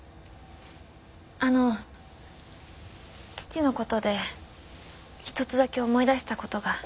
あの父の事で１つだけ思い出した事が。